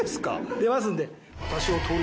出ますんで。